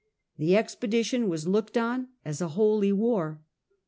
The expedition was looked on as a holy war.